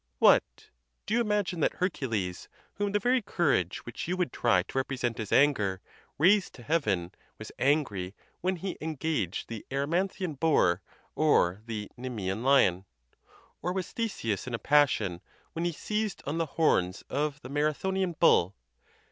What! do you imagine that Hercules, whom the very courage which you would try to represent as anger raised to heaven, was angry when he engaged the Erymanthian boar, or the Nemzean lion? Or was Theseus in a passion when he seized on the horns of the Marathonian bull?